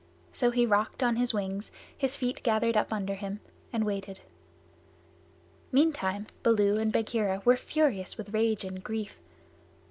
So he rocked on his wings, his feet gathered up under him, and waited. Meantime, Baloo and Bagheera were furious with rage and grief.